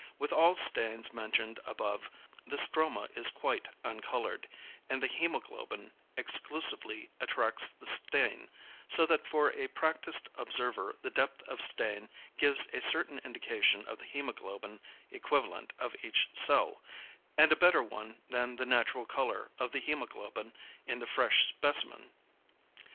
With all stains mentioned above the stroma is quite uncoloured, and the hæmoglobin exclusively attracts the stain, so that for a practised observer the depth of stain gives a certain indication of the hæmoglobin equivalent of each cell, and a better one than the natural colour of the hæmoglobin in the fresh specimen.